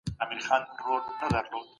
مشران به مهم بحثونه پرمخ وړي.